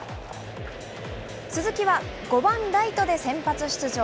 鈴木は５番ライトで先発出場。